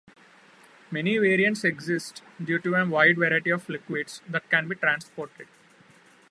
Many variants exist due to the wide variety of liquids that can be transported.